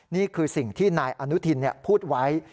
นี่คือสิ่งที่นายอนุทินพูดไว้